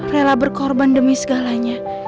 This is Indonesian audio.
rela berkorban demi segalanya